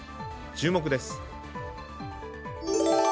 注目です。